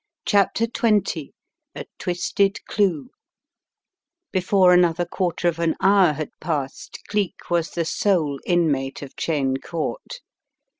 CHAPTER XX A TWISTED CLUE BEFORE another quarter of an hour had passed Cleek was the sole inmate of Cheyne Court.